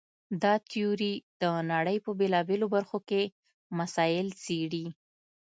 دا تیوري د نړۍ په بېلابېلو برخو کې مسایل څېړي.